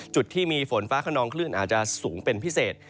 จุดที่มีฝนฟ้าขนองคลื่นอาจจะสูงเป็นพิเศษ